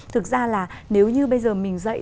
thực ra là nếu như bây giờ mình dạy